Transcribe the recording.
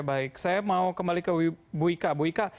baik saya mau kembali ke bu ika bu ika